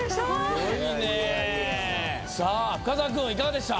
さあ深澤君いかがでした？